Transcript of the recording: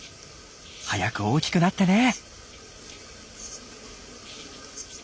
早く大きくなってね。